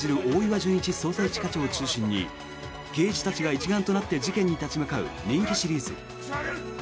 大岩純一捜査一課長を中心に刑事たちが一丸となって事件に立ち向かう人気シリーズ。